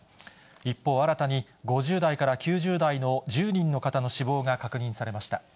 一方、新たに５０代から９０代の１０人の方の死亡が確認されました。